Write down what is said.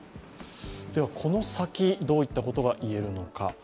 この先、どういったことが言えるのか。